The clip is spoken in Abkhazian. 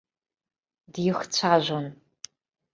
Дихцәажәон.